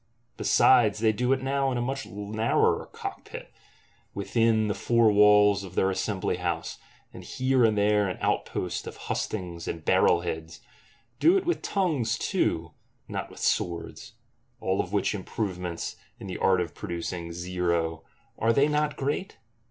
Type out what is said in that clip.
Besides they do it now in a much narrower cockpit; within the four walls of their Assembly House, and here and there an outpost of Hustings and Barrel heads; do it with tongues too, not with swords:—all which improvements, in the art of producing zero, are they not great?